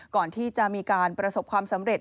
ก่อนที่จะมีการประสบความสำเร็จ